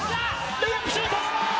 レイアップシュート！